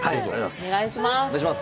お願いします。